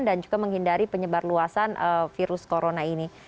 dan juga menghindari penyebar luasan virus corona ini